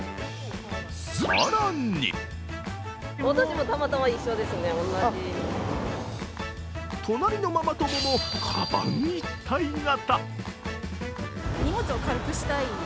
更に隣のママ友もかばん一体型。